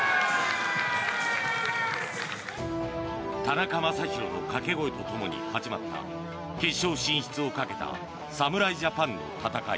田中将大の掛け声とともに始まった決勝進出をかけた侍ジャパンの戦い。